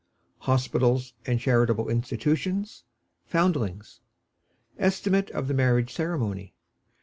Hospitals and Charitable Institutions. Foundlings. Estimate of the Marriage Ceremony.